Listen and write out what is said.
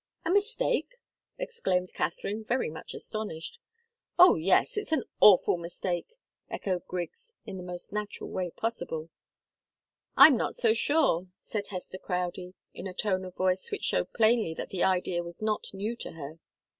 "A mistake!" exclaimed Katharine, very much astonished. "Oh, yes it's an awful mistake," echoed Griggs, in the most natural way possible. "I'm not so sure," said Hester Crowdie, in a tone of voice which showed plainly that the idea was not new to her.